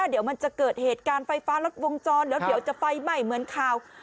เดี๋ยวมันจะเกิดเหตุการณ์ไฟฟ้ารัดวงจรแล้วเดี๋ยวจะไฟไหม้เหมือนข่าว